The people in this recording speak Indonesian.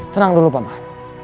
tenang dulu pak man